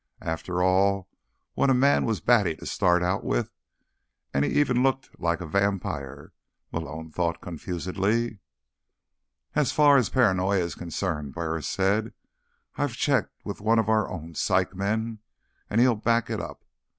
After all, when a man was batty to start out with ... and he even looked like a vampire, Malone thought confusedly. "As far as paranoia is concerned," Burris said, "I checked with one of our own psych men, and he'll back it up.